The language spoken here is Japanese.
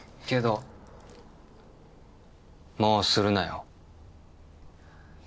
けどもうするなよ。